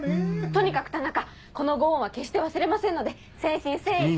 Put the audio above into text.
とにかく田中このご恩は決して忘れませんので誠心誠意。